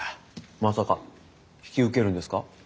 まさか引き受けるんですか？